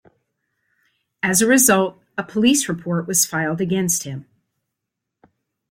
As a result, a police report was filed against him.